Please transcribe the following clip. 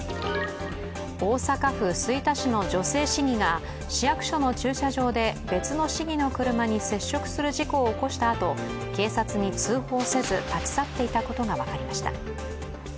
大阪府吹田市の女性市議が市役所の駐車場で別の市議の車に接触する事故を起こしたあと警察に通報せず立ち去っていたことが分かりました。